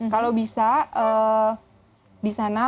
kalau bisa di sana